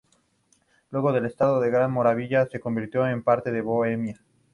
Luego el estado de Gran Moravia se convirtió en parte de Bohemia.